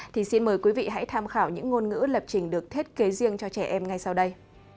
thì xin mời quý vị hãy tham khảo những ngôn ngữ lập trình được thiết kế riêng cho trẻ em ngay sau đây